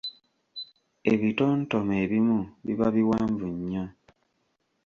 Ebitontome ebimu biba biwanvu nnyo!